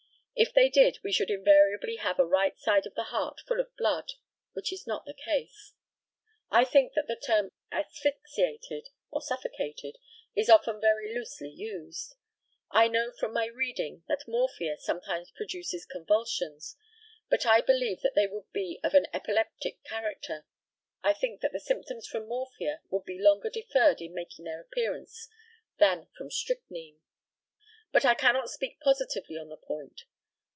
If they did, we should invariably have the right side of the heart full of blood, which is not the case. I think that the term asphyxiated, or suffocated, is often very loosely used. I know from my reading that morphia sometimes produces convulsions; but I believe that they would be of an epileptic character. I think that the symptoms from morphia would be longer deferred in making their appearance than from strychnine; but I cannot speak positively on the point.